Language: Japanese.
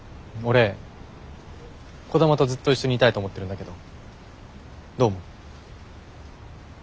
俺兒玉とずっと一緒にいたいと思ってるんだけどどう思う？